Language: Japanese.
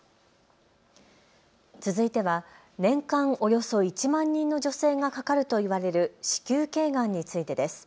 続いては年間およそ１万人の女性がかかるといわれる子宮頸がんについてです。